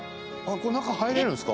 これ、中入れるんですか？